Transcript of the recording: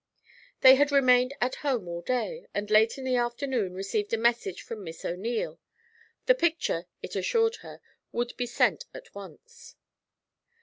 They had remained at home all day, and late in the afternoon received a message from Miss O'Neil. The picture, it assured her, would be sent at once.